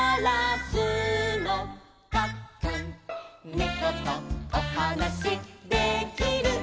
「ねことおはなしできる」